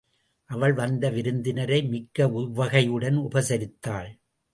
அவள் வந்த விருந்தினரை மிக்க உவகையுடன் உபசரித்தாள்.